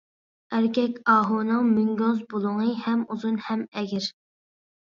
ئەركەك ئاھۇنىڭ مۈڭگۈز بۇلۇڭى ھەم ئۇزۇن، ھەم ئەگرى.